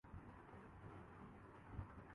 لگتے بھی ٹھیک ہیں۔